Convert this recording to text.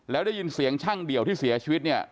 แล้วได้ยินเสียงช่างเดี่ยวที่เสียชีวิตเนี่ย